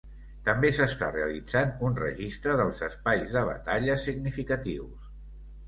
També s'està realitzant un registre dels espais de batalla significatius.